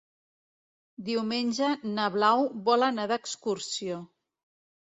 Diumenge na Blau vol anar d'excursió.